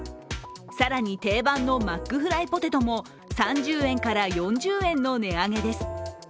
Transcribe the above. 更に、定番のマックフライポテトも３０円から４０円の値上げです。